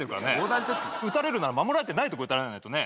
撃たれるなら守られてないとこ撃たれないとね